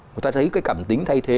người ta thấy cái cảm tính thay thế